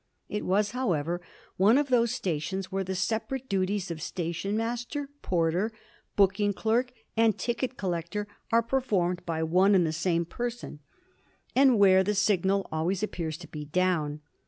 It was, moreover, one of those stations where the separate duties of station master, porter, booking clerk, and ticket collector are performed by one and the same person, and where the signal always appears to be down.